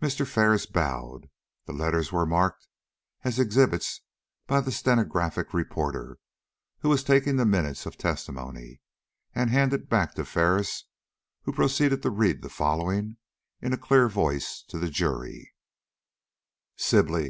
Mr. Ferris bowed; the letters were marked as exhibits by the stenographic reporter who was taking the minutes of testimony, and handed back to Ferris, who proceeded to read the following in a clear voice to the jury: "SIBLEY, N.